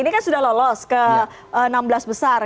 ini kan sudah lolos ke enam belas besar